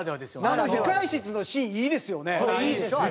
あの控室のシーンいいですよね。